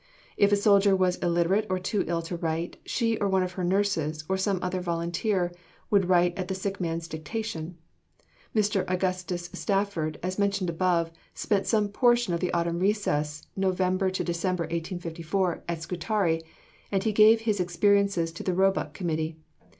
If a soldier was illiterate or too ill to write, she or one of her nurses, or some other volunteer, would write at the sick man's dictation. Mr. Augustus Stafford, as mentioned above, spent some portion of the autumn recess (Nov. Dec. 1854) at Scutari, and he gave his experiences to the Roebuck Committee.